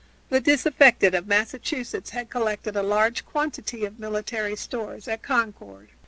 The disaffected of Massachusetts had collected a large quantity of military stores at Concord.